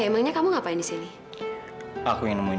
tapi kalau kalian buat begini